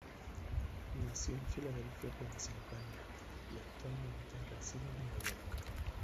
Nació en Filadelfia, Pensilvania, y actualmente reside en Nueva York.